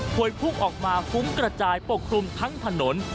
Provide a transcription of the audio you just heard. วยพุ่งออกมาฟุ้งกระจายปกคลุมทั้งถนน